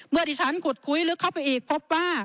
เมื่อที่ฉันขุดคุยลึกเข้าไปอีกพบว่า